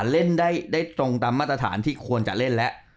เล่นได้ตรงตามมาตรฐานที่ควรจะเล่นแล้ว